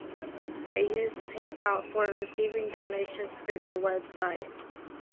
They used PayPal for receiving donations through their web site.